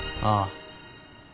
ああ。